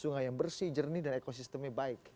sungai yang bersih jernih dan ekosistemnya baik